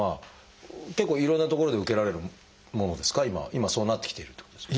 今そうなってきているってことですか？